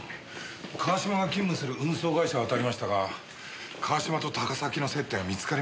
川島が勤務する運送会社を当たりましたが川島と高崎の接点は見つかりませんでした。